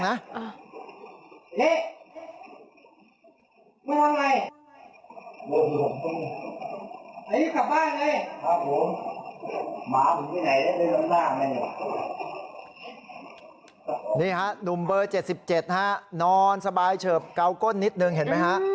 นี่ฮะหนุ่มเบอร์เจ็ดสิบเจ็ดฮะนอนสบายเฉิบเกา้าก้นนิดหนึ่งเห็นไหมฮะ